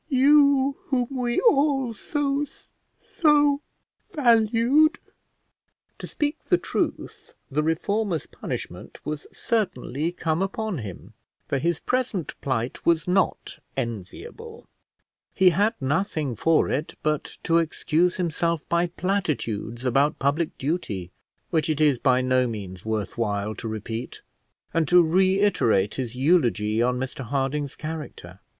You, whom we all so so valued!" To speak the truth, the reformer's punishment was certainly come upon him, for his present plight was not enviable; he had nothing for it but to excuse himself by platitudes about public duty, which it is by no means worth while to repeat, and to reiterate his eulogy on Mr Harding's character.